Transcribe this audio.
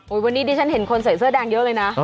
วันนี้ดิฉันเห็นคนใส่เสื้อแดงเยอะเลยนะ